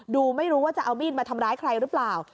ดูไม่รู้ว่าจะเอามีดมาทำร้ายใครหรือเปล่า